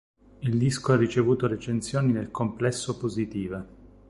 Il disco ha ricevuto recensioni nel complesso positive.